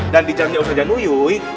dan di jamnya ustadz januyuy